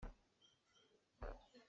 Lungpi phen ah kan i dor.